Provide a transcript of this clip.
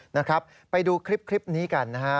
นะครับไปดูคลิปนี้กันนะฮะ